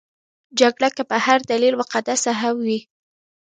جګړه که په هر دلیل مقدسه هم وي.